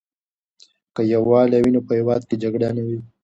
که یووالی وي نو په هېواد کې جګړه نه وي.